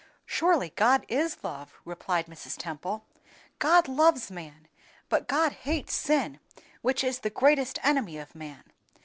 "Surely God is love," replied Mrs. Temple; "God loves man, but God hates sin, which is the greatest enemy of man.